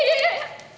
yuk yuk yuk